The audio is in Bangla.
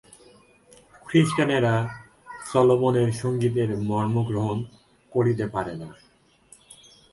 খ্রীষ্টানেরা সলোমনের সঙ্গীতের মর্মগ্রহণ করিতে পারে না।